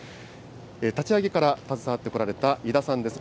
立ち上げから携わってこられた井田さんです。